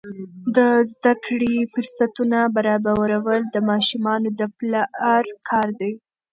د زده کړې فرصتونه برابرول د ماشومانو د پلار کار دی.